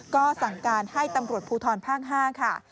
ก็สั่งการให้ตำรวจภูทรภาค๕ค่ะ